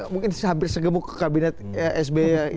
mungkin hampir segemuk kabinet isdm